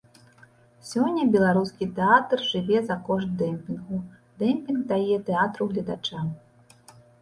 Сёння беларускі тэатр жыве за кошт дэмпінгу, дэмпінг дае тэатру гледача.